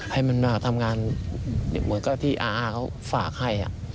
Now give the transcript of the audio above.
ให้มันมาทำงานเหมือนกับที่อาเขาฝากให้